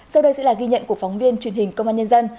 sau đây sẽ là ghi nhận của phóng viên truyền hình công an nhân dân